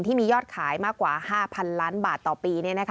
ที่มียอดขายมากกว่า๕๐๐๐ล้านบาทต่อปี